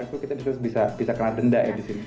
itu kita bisa kena denda ya di sini